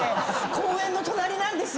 公園の隣なんです。